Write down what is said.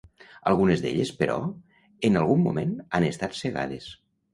Algunes d'elles, però, en algun moment han estat cegades.